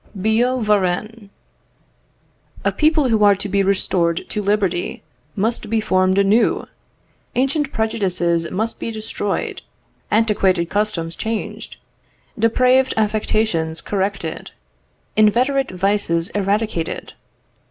Billaud Varennes. "A people who are to be restored to liberty must be formed anew. Ancient prejudices must be destroyed, antiquated customs changed, depraved affections corrected, inveterate vices eradicated.